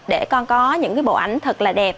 để con có những bộ ảnh thật là đẹp